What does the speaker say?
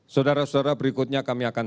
saudara saudara berikutnya kami akan